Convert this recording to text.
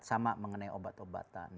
sama mengenai obat obatan